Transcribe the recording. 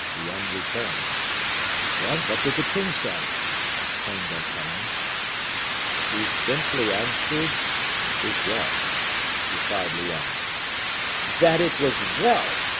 Lyonne returned. "Well, what did the king say?" exclaimed D'Artagnan. "He simply answered, ''Tis well,'" replied Lyonne. "That it was well!"